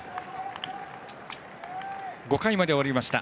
５回まで終わりました。